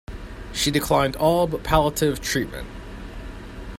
She declined all but palliative treatment.